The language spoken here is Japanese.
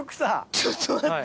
ちょっと待って。